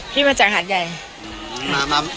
มาจากหาดใหญ่